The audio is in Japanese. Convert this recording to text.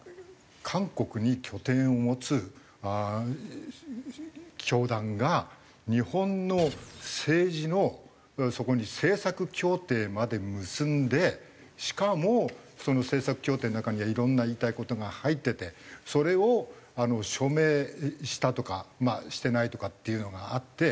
韓国に拠点を持つ教団が日本の政治のそこに政策協定まで結んでしかもその政策協定の中にはいろんな言いたい事が入っててそれを署名したとかまあしてないとかっていうのがあって。